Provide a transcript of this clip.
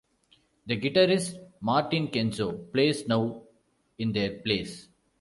The guitarist Martin Kenzo plays now in their place.